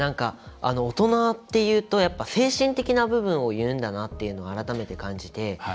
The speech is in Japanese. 大人っていうとやっぱり精神的な部分をいうんだなっていうのを改めて感じて。